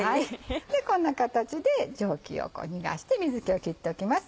こんな形で蒸気を逃がして水気を切っておきます。